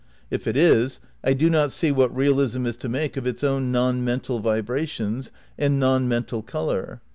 If it is, I do not see what realism is to make of its own non mental vibrations, and non mental colour.